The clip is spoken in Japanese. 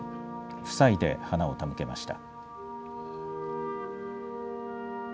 夫妻で花を手向けました。